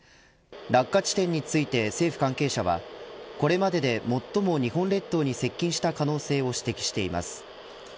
落下地点について政府関係者はこれまでで最も日本列島に接近した可能性を指摘しています。